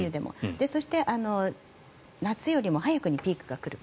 そして、夏よりも早くにピークが来る。